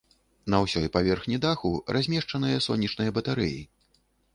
На ўсёй паверхні даху размешчаныя сонечныя батарэі.